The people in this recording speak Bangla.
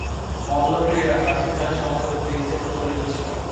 মল্লক্রীড়া প্রাচীনকালে সম্ভবত গ্রিসে প্রচলিত ছিল।